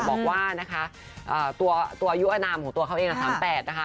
บอกว่านะคะตัวอายุอนามของตัวเขาเอง๓๘นะคะ